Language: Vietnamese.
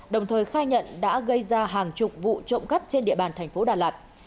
đồng thời khai nhận đã gây ra hàng chục vụ trộm cắp trên địa bàn tp đà lạt